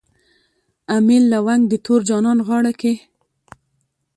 امیل لونګ د تور جانان غاړه کي